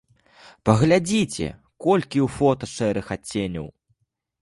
Паглядзіце, колькі ў фота шэрых адценняў!